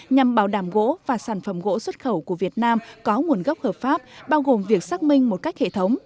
nhằm bảo đảm gỗ và sản phẩm gỗ xuất khẩu của việt nam có nguồn gốc hợp pháp bao gồm việc xác minh một cách hệ thống